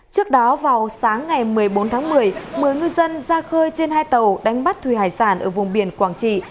trước đó vào sáng ngày một mươi bốn tháng một mươi một mươi ngư dân ra khơi trên hai tàu đánh bắt thủy hải sản ở vùng biển quảng trị